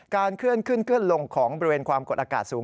เคลื่อนขึ้นเคลื่อนลงของบริเวณความกดอากาศสูง